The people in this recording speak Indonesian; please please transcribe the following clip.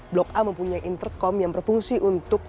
blok a mempunyai intercom yang berfungsi untuk